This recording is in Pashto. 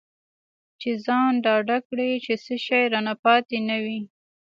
چې ځان ډاډه کړي چې څه شی رانه پاتې نه وي.